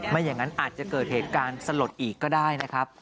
ไม่อย่างนั้นอาจจะเกิดเหตุการณ์สลดอีกก็ได้นะครับ